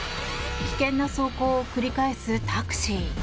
危険な走行を繰り返すタクシー。